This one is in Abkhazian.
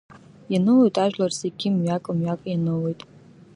Ианылоит ажәлар зегьы мҩак, мҩак ианылоит.